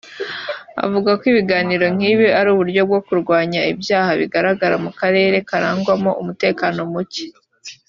yavuze ko ibiganiro nk’ibi ari uburyo bwo kurwanya ibyaha bigaragara mu karere karangwamo umutekano mucye